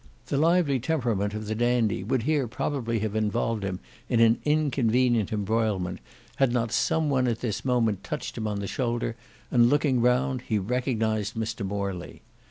The lively temperament of the Dandy would here probably have involved him in an inconvenient embroilment had not some one at this moment touched him on the shoulder, and looking round he recognised Mr Morley.